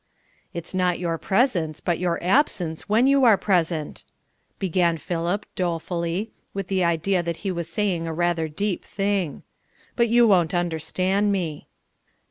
"It's not your presence, but your absence when you are present," began Philip, dolefully, with the idea that he was saying a rather deep thing. "But you won't understand me."